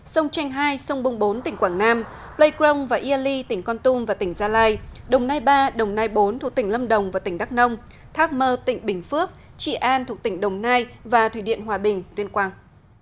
sông tranh hai sông bông bốn tỉnh quảng nam pleikrong và yaili tỉnh con tum và tỉnh gia lai đồng nai ba đồng nai bốn thuộc tỉnh lâm đồng và tỉnh đắk nông thác mơ tỉnh bình phước trị an thuộc tỉnh đồng nai và thủy điện hòa bình tuyên quang